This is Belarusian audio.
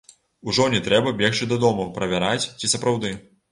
Ужо не трэба бегчы дадому правяраць, ці сапраўды.